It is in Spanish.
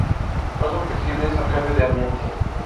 No son flexibles al cambio de ambiente.